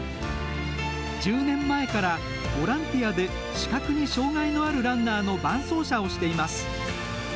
１０年前から、ボランティアで視覚に障害のあるランナーの伴走者をしています。